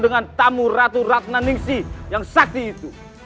dengan tamu ratu ratna ningsi yang sakti itu